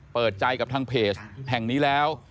เปิดใจกับทางเพจแห่งนี้แล้ว